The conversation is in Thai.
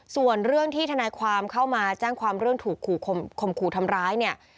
ส่วนเรื่องที่ทนายความเข้ามาแจ้งความเรื่องถูกคมขู่ทำร้ายเนี่ย